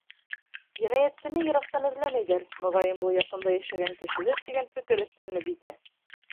Енәйәтсене йыраҡтан эҙләмәйҙәр: моғайын, был яҡында йәшәгән кешелер тигән фекер өҫтөнлөк итә.